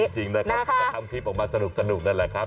จริงนะครับก็ทำคลิปออกมาสนุกนั่นแหละครับ